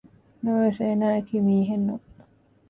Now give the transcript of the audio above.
ނަމަވެސް އޭނާއަކީ މީހެއް ނޫން